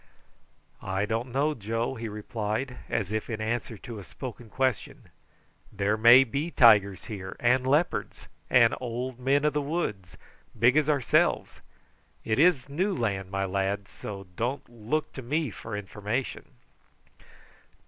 "I don't know, Joe," he replied, as if in answer to a spoken question. "There may be tigers here, and leopards, and old men of the woods, big as ourselves. It is new land, my lad, so don't look to me for information."